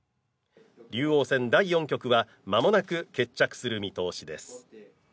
竜王戦第４局は間もなく決着する見通しです。